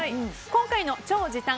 今回の超時短！